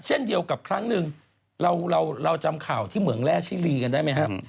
เช่นเดียวกับครั้งหนึ่งเราจำข่าวที่เหมืองแร่ชิลีกันได้ไหมครับ